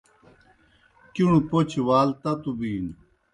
کِݨوْ پوْچوْ وال تتوْ بِینوْ۔